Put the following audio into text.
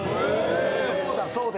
そうだそうだ。